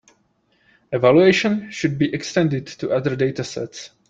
Evaluation should be extended to other datasets.